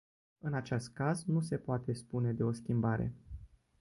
În acest caz nu se poate spune de o schimbare.